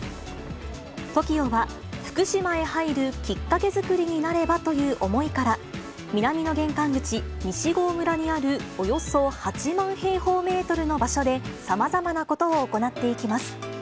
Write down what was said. ＴＯＫＩＯは福島へ入るきっかけ作りになればという思いから、南の玄関口、西郷村にあるおよそ８万平方メートルの場所でさまざまなことを行っていきます。